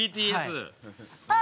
あＢＴＳ。